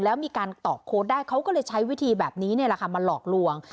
แล้วมีการตอกโค้ดได้เขาก็เลยใช้วิธีแบบนี้เนี่ยแหละค่ะมาหลอกลวง